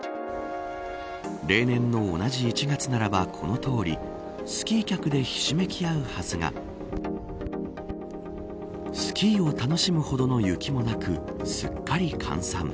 例年の同じ１月ならばこのとおりスキー客でひしめき合うはずがスキーを楽しむほどの雪もなくすっかり閑散。